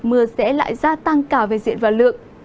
mưa sẽ lại gia tăng cả về diện và lượng